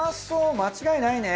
間違いないね。